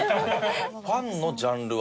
ファンのジャンル分け？